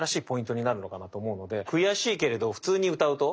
「くやしいけれど」を普通に歌うと？